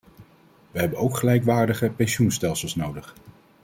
We hebben ook gelijkwaardige pensioenstelsels nodig.